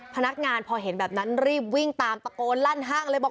พนักงานพอเห็นแบบนั้นรีบวิ่งตามตะโกนลั่นห้างเลยบอก